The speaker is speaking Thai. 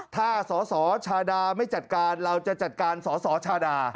ถ้าสสชาดาไม่จัดการเราจะจัดการสสชาดา